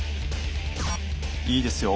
いいですよ。